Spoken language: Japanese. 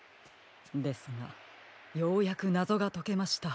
ですがようやくなぞがとけました。